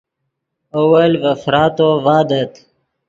اول ڤے فراتو ڤادت